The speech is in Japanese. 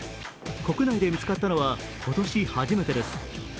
国内で見つかったのは今年初めてです。